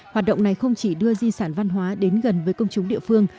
hoạt động này không chỉ đưa di sản văn hóa đến gần với công chúng địa phương